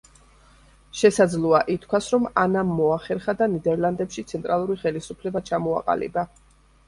შესაძლოა ითქვას, რომ ანამ მოახერხა და ნიდერლანდებში ცენტრალური ხელისუფლება ჩამოაყალიბა.